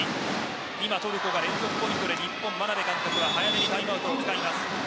今、トルコが連続ポイントで日本、眞鍋監督は早めにタイムアウトを使います。